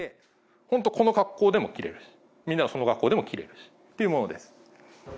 本当この格好でも着られるしみんなのその格好でも着られるしっていうものです。